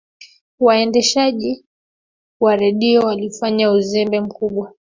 waendeshaji wa redio walifanya uzembe mkubwa